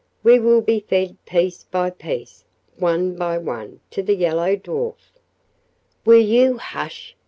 We will be fed piece by piece, one by one, to the yellow dwarf " "Will you hush!"